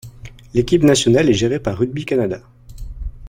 L'équipe nationale est géré par Rugby Canada.